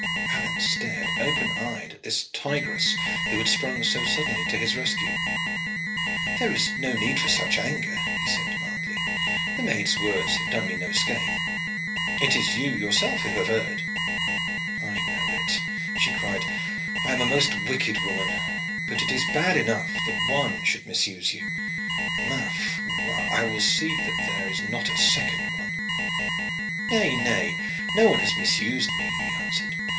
Alleyne stared open eyed at this tigress who had sprung so suddenly to his rescue. "There is no need for such anger," he said mildly. "The maid's words have done me no scath. It is you yourself who have erred." "I know it," she cried, "I am a most wicked woman. But it is bad enough that one should misuse you. Ma foi! I will see that there is not a second one." "Nay, nay, no one has misused me," he answered.